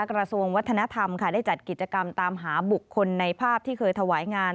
กระทรวงวัฒนธรรมค่ะได้จัดกิจกรรมตามหาบุคคลในภาพที่เคยถวายงาน